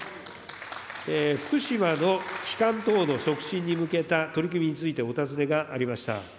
福島の帰還等の促進に向けた取り組みについてお尋ねがありました。